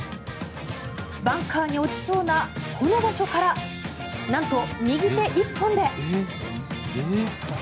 バンカーに落ちそうなこの場所からなんと右手１本で。